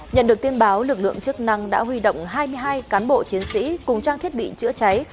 nhận được tin báo lực lượng chức năng đã huy động hai mươi hai cán bộ chiến sĩ cùng trang thiết bị chữa cháy